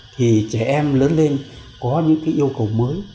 thì trẻ em lớn lên có những cái yêu cầu mới